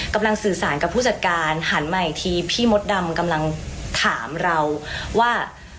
กำลังสื่อสารกับผู้จัดการหันมาอีกทีพี่มดดำกำลังถามเราว่า